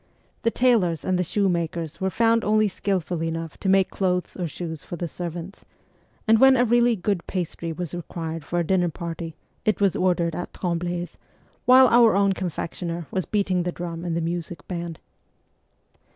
The tailors and the shoe makers were found only skilful enough to make clothes or shoes for the servants, and when a really good pastry was required for a dinner party it was ordered at Tremble's, while our own confectioner was beating the drum in the music band.